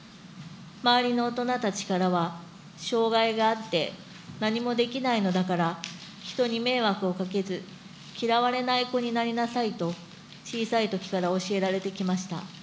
周りの大人たちからは、障害があって何もできないのだから、人に迷惑をかけず、嫌われない子になりなさいと、小さいときから教えられてきました。